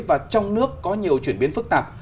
và trong nước có nhiều chuyển biến phức tạp